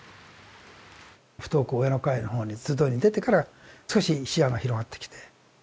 不登校親の会のほうに集いに出てから少し視野が広がってきて。